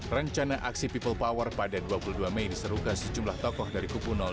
rencana aksi people power pada dua puluh dua mei diserukan sejumlah tokoh dari kubu dua